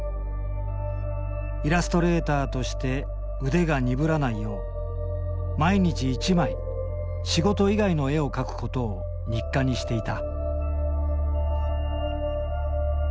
イラストレーターとして腕が鈍らないよう毎日１枚仕事以外の絵を描くことを日課にしていた。